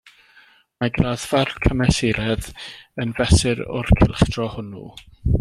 Mae graddfa'r cymesuredd yn fesur o'r cylchdro hwnnw.